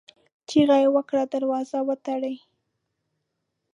چيغه يې کړه! دروازه وتړئ!